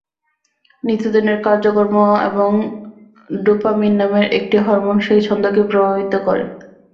নিত্যদিনের কাজকর্ম এবং ডোপামিন নামের একটি হরমোন সেই ছন্দকে প্রভাবিত করে।